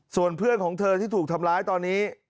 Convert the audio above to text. ส่วนเพื่อนของเธอที่ถูกทำร้ายตอนนี้